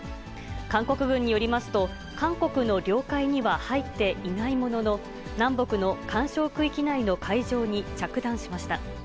韓国軍によりますと、韓国の領海には入っていないものの、南北の緩衝区域内の海上に着弾しました。